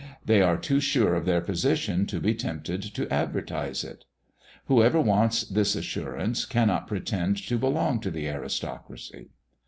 They are too sure of their position to be tempted to advertise it: whoever wants this assurance cannot pretend to belong to the aristocracy.